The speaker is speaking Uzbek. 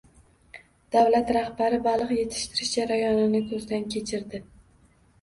Davlat rahbari baliq yetishtirish jarayonini ko‘zdan kechirdi